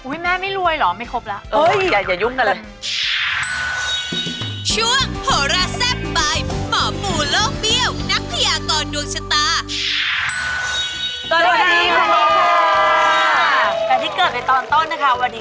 โอ้ยแม่ไม่รวยเหรอไม่ครบละ